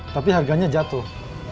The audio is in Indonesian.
tapi harganya jatuh